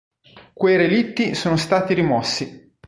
Quei relitti sono stati rimossi.